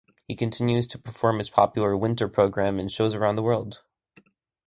He continues to perform his popular "Winter" program in shows around the world.